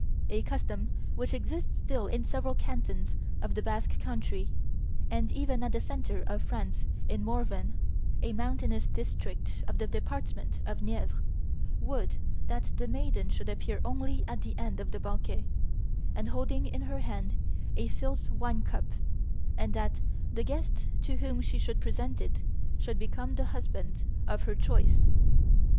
A custom which exists still in several cantons of the Basque country, and even at the centre of France in Morvan, a mountainous district of the department of the Nievre, would that the maiden should appear only at the end of the banquet, and holding in her hand a filled wine cup, and that the guest to whom she should present it should become the husband of her choice.